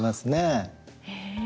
へえ。